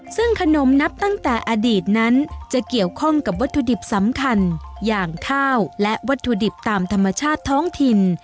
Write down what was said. ซึ่งขนมนับตั้งแต่อดีตนั้นจะเกี่ยวข้องกับวัตถุดิบสำคัญอย่างข้าวและวัตถุดิบตามธรรมชาติท้องถิ่น